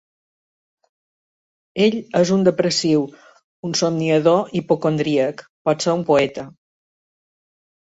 Ell és un depressiu, un somniador hipocondríac, potser un poeta.